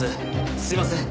すみません。